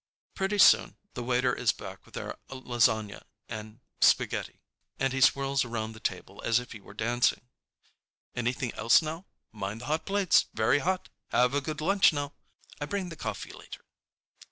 Pretty soon the waiter is back with our lasagna and spaghetti, and he swirls around the table as if he were dancing. "Anything else now? Mind the hot plates, very hot! Have a good lunch now. I bring the coffee later."